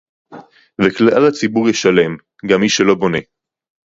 וכלל הציבור ישלם; גם מי שלא בונה